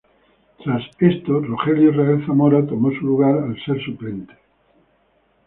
Tras esto Rogelio Israel Zamora tomó su lugar al ser su suplente.